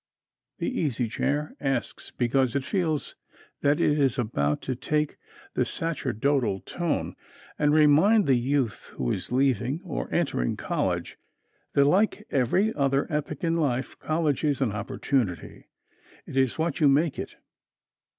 The Easy Chair asks because it feels that it is about to take the sacerdotal tone, and remind the youth who is leaving or entering college that, like every other epoch in life, college is an opportunity. It is what you make it.